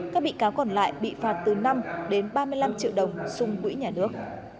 các bị cáo còn lại bị phạt từ năm đến ba mươi năm triệu đồng xung quỹ nhà nước